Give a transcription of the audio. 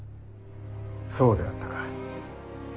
そうであったか。